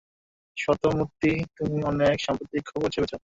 সত্যমুর্তি, তুমি অনেক সাপ্রতিক খবর ছেপেছো।